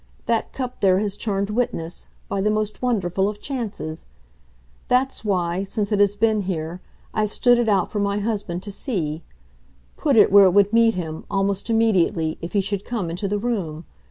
That cup there has turned witness by the most wonderful of chances. That's why, since it has been here, I've stood it out for my husband to see; put it where it would meet him, almost immediately, if he should come into the room.